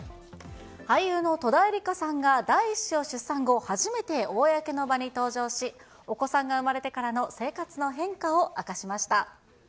俳優の戸田恵梨香さんが第１子を出産後、初めて公の場に登場し、お子さんが生まれてからの生活の変化を明かしました。